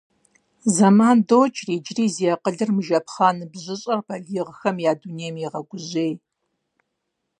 Зэман докӀри, иджыри зи акъылыр мыжэпхъа ныбжьыщӀэр балигъхэм я дунейм егъэгужьей.